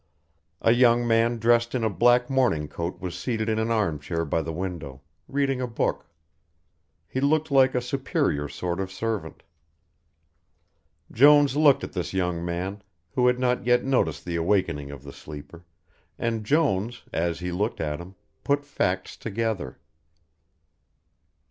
A young man dressed in a black morning coat was seated in an armchair by the window, reading a book. He looked like a superior sort of servant. Jones looked at this young man, who had not yet noticed the awakening of the sleeper, and Jones, as he looked at him, put facts together.